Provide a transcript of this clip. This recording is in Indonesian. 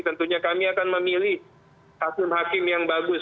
tentunya kami akan memilih hakim hakim yang bagus